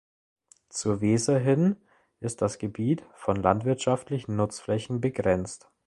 Zur Weser hin ist das Gebiet von landwirtschaftlichen Nutzflächen begrenzt.